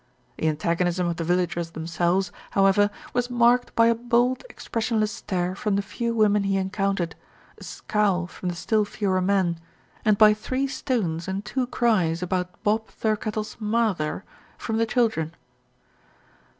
The antagonism of the villagers themselves, how ever, was marked by a bold expressionless stare from the few women he encountered, a scowl from the still fewer men, and by three stones and two cries about Bob Thirkettle's "mawther" from the children.